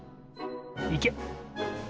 いけ！